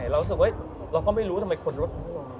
เรารู้สึกว่าเราก็ไม่รู้ทำไมคนรถล้อยลงอยู่ดีคนก็จน